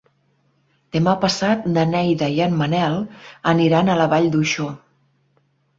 Demà passat na Neida i en Manel aniran a la Vall d'Uixó.